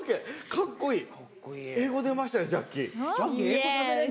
かっこいい。